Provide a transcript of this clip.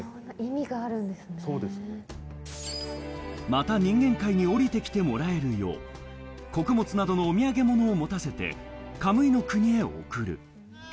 また人間界に降りてきてもらえるよう穀物などのお土産物を持たせてカムイの国へ送る。